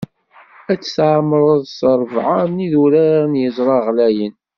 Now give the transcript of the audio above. Ad tt-tɛemmreḍ s ṛebɛa n idurar n yeẓra ɣlayen.